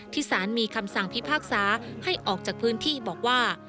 สารมีคำสั่งพิพากษาให้ออกจากพื้นที่บอกว่า